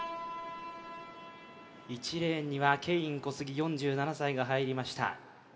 １レーンにはケイン・コスギ４７歳が入りました